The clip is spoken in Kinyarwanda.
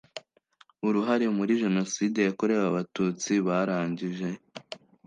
uruhare muri jenoside yakorewe abatutsi barangije